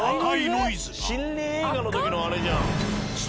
心霊映画の時のあれじゃん。